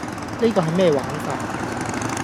呢個係咩玩法?